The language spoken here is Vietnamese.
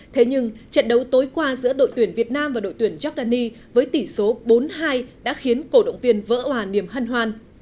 thế nhưng trận đấu tối qua giữa đội tuyển việt nam và đội tuyển jordani với tỷ số bốn hai đã khiến cổ động viên vỡ hòa niềm hân hoan